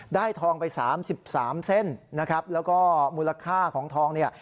ได้ทองไปสามสิบสามเซ่นนะครับแล้วก็มูลค่าของทองเนี่ย